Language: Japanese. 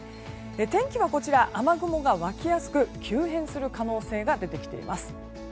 天気は雨雲が湧きやすく急変する可能性が出てきています。